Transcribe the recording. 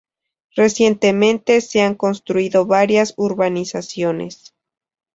Recientemente se han construido varias urbanizaciones.